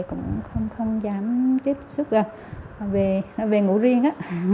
cũng không dám tiếp xúc về ngủ riêng